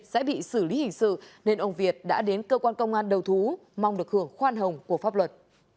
sẽ bị xử lý hình sự nên ông việt đã đến cơ quan công an đầu thú mong được hưởng khoan hồng của pháp luật